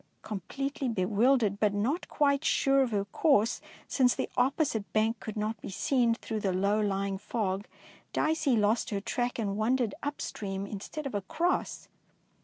Completely be wildered, not quite sure of her course since the opposite bank could not be seen through the low lying fog. Dicey lost her track and wandered up stream instead of across.